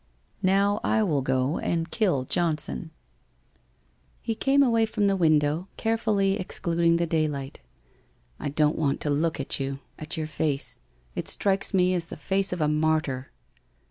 Now I will go and kill Johnson !' 312 WHITE ROSE OF WEARY LEAF He came away from the window, carefully excluding the daylight. ' I don't want to look at you — at your face. It strikes me as the face of a martyr.'